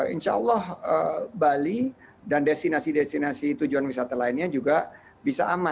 insya allah bali dan destinasi destinasi tujuan wisata lainnya juga bisa aman